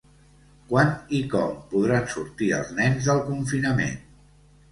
Quan i com podran sortir els nens del confinament?